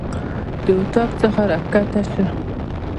د اطاق څخه راکښته سه.